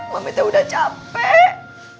mami tuh udah capek